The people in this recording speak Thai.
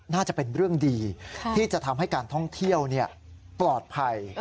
น่าจะเป็นเรื่องดีที่จะทำให้การท่องเที่ยวปลอดภัย